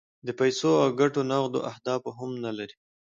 د پیسو او ګټو نغد اهداف هم نه لري.